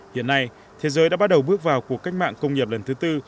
hiện nay thế giới đã bắt đầu bước vào cuộc cách mạng công nghiệp lần thứ tư